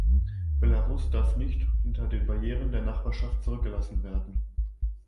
Belarus darf nicht hinter den Barrieren der Nachbarschaft zurückgelassen werden.